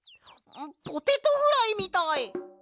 ポテトフライみたい！